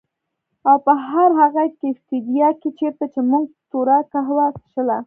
او په هر هغه کيفېټيريا کي چيرته چي مونږ توره کهوه څښله